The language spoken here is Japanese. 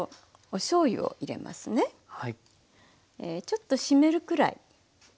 ちょっと湿るくらい。